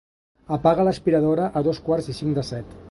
Apaga l'aspiradora a dos quarts i cinc de set.